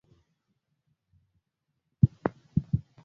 na kuhakikisha kwamba inakuwa kwa haraka